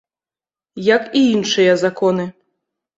Як і іншыя законы.